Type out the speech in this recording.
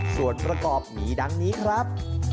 ส่วนประกอบมีดังนี้ครับ